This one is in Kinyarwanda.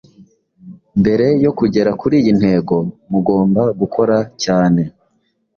mbere yo kugera kuriyi ntego mugomba gukora cyane